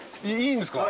いいんですか？